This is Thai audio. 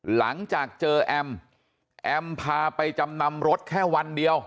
หลังจากเจอแอมแอมพาไปจำนำรถแค่วันเดียว